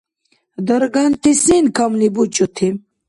Дарганти сен камли бучӏути?